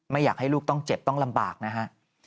อยากให้ลูกต้องเจ็บต้องลำบากนะฮะ